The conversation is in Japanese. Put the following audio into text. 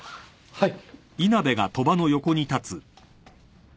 はい。